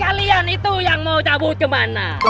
kalian itu yang mau cabut kemana